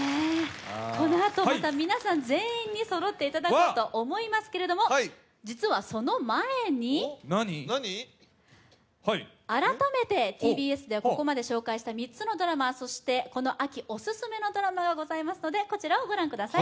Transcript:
このあとまた皆さん全員にそろっていただこうと思いますが、実はその前に改めてＴＢＳではここまで紹介した３つのドラマ、そしてこの秋オススメのドラマがございますのでこちらをご覧ください。